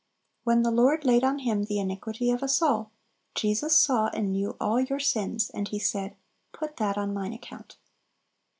When "the Lord laid on Him the iniquity of us all," Jesus saw and knew all your sins; and He said, "Put that on mine account."